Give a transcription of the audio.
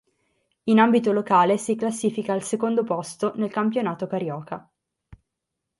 In ambito locale si classifica al secondo posto nel Campionato Carioca.